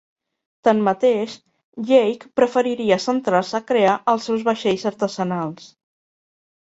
Tanmateix, Jake preferiria centrar-se a crear els seus vaixells artesanals.